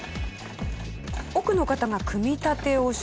奥の方が組み立てをして。